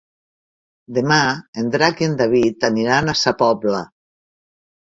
Demà en Drac i en David aniran a Sa Pobla.